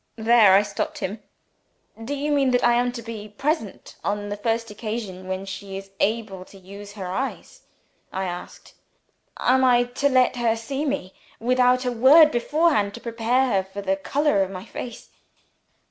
There I stopped him. 'Do you mean that I am to be present, on the first occasion when she is able to use her eyes?' I asked. 'Am I to let her see me, without a word beforehand to prepare her for the color of my face?'"